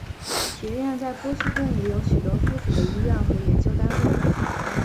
学院在波士顿也有许多附属的医院和研究单位。